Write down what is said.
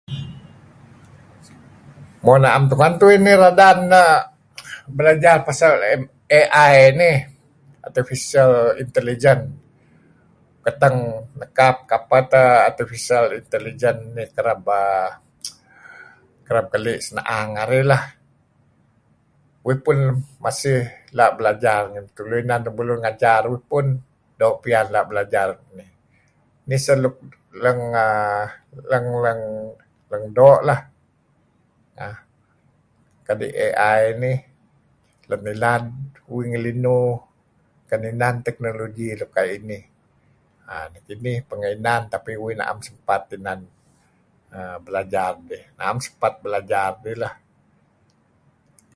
mo am tu'ngen radan um belajar pasal AI nih artifisal inteligen keteng nekap kapeh teh Artifisal inteligen nih kereb um kereb kali senaang arih leh uih pun masih la belajar ngen tulu inan lemulun ngajar uih pun do pian la belajar nih nih seh nuk leng um leng leng do leh um kadi AI nih nuk nilad uih ngelinuh ken inan technology nuk ku'ayu inih um nekinih pengeh inan tapi uih sepat inan um belajar dih am sepat belajar dih leh